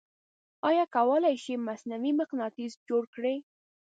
آیا کولی شئ مصنوعې مقناطیس جوړ کړئ؟